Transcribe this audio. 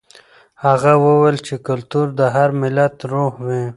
هغه وویل چې کلتور د هر ملت روح وي.